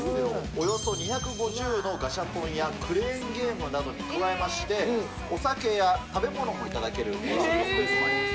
およそ２５０のガシャポンやクレーンゲームなどに加えまして、お酒や食べ物もいただけるスペースもあります。